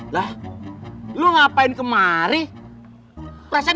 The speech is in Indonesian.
lah lu ngapain kemarin perasaan